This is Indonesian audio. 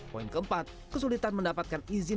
poin keempat kesulitan mendapatkan izin